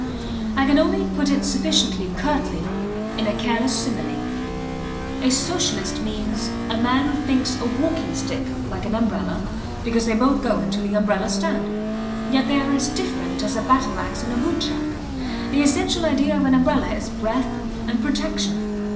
I can only put it sufficiently curtly in a careless simile. A Socialist means a man who thinks a walking stick like an umbrella because they both go into the umbrella stand. Yet they are as different as a battle ax and a bootjack. The essential idea of an umbrella is breadth and protection.